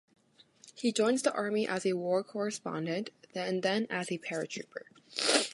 He joins the Army as a war correspondent, and then as a paratrooper.